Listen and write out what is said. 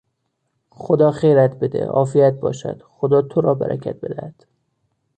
خدا خیرت بده!، عافیت باشد!، خدا تو را برکت بدهد!